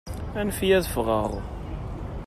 Anef-iyi ad ffɣeɣ!